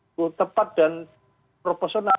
itu tepat dan proporsional